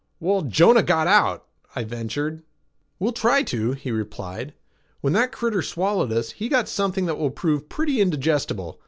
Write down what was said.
"Well, Jonah got out," I ventured. "We'll try to," he replied. "When that critter swallowed us, he got something that will prove pretty indigestible.